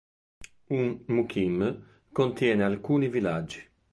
Un "mukim" contiene alcuni villaggi.